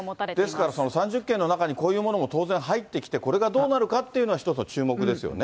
ですから、３０件の中に、こういうものも当然入ってきて、これがどうなるかっていうのは、一つの注目ですよね。